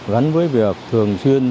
gắn với việc thường sinh viên